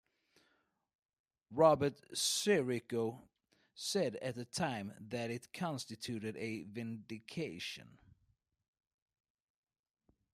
Robert Sirico said at the time that it constituted a "vindication".